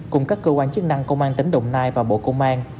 cùng các cơ quan chức năng công an tỉnh đồng nai và bộ công an